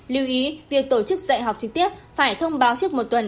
lưu ý việc tổ chức dạy học trực tiếp phải thông báo trước một tuần